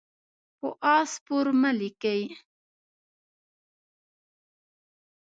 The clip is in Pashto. په آس سپور مه لیکئ.